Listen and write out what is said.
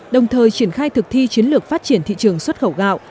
đồng thời triển khai thực thi chiến lược phát triển thị trường xuất khẩu gạo